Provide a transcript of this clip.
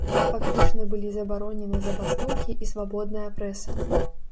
Фактычна былі забаронены забастоўкі і свабодная прэса.